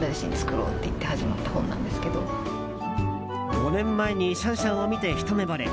５年前にシャンシャンを見てひと目ぼれ。